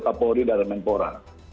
kapolri dari menpora